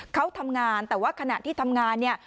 เขาทำงานแต่ว่าขณะที่ทำงานเนี่ย